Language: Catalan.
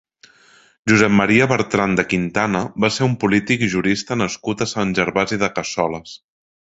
Josep Maria Bertran de Quintana va ser un polític i jurista nascut a Sant Gervasi de Cassoles.